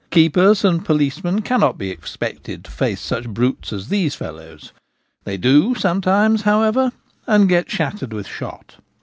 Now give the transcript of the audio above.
Keepers and policemen cannot be expected to face such brutes as these fellows ; they do sometimes, however, and get shattered with shot Sleight of Hand Poaching.